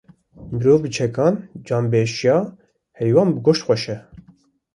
Mirov bi çekan, can bi eşya, heywan bi goşt xweş e